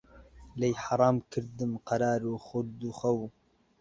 لێی حەرام کردم قەرار و خورد و خەو